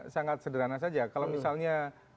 sangat sederhana saja kalau misalnya